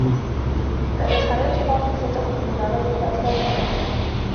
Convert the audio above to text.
كانت حياة فاضل ستأخذ منعرجا مأساويّا.